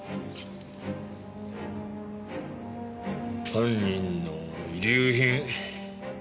犯人の遺留品。